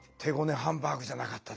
ハンバーグじゃなかったですね。